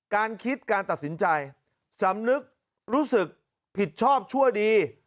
การคิดการตัดสินใจสำนึกรู้สึกผิดชอบชั่วดี